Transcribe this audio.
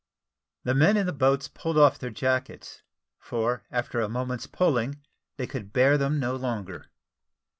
The men in the boats pulled off their jackets, for after a few moments' pulling, they could bear them no longer.